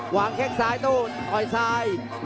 หวางแข่งซ้ายโต้ถอยซ้าย